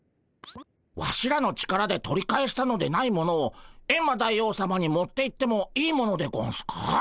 ワシらの力で取り返したのでないものをエンマ大王さまに持っていってもいいものでゴンスか？